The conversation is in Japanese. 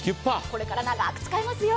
これから長く使えますよ。